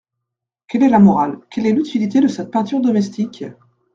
Quelle est la morale, quelle est l’utilité de cette peinture domestique ?